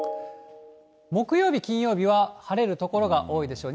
木曜日、金曜日は晴れる所が多いでしょう。